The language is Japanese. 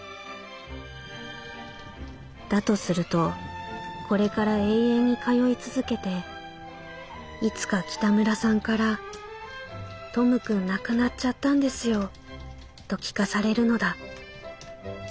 だとするとこれから永遠に通い続けていつか北村さんから『トムくん亡くなっちゃったんですよ』と聞かされるのだ」。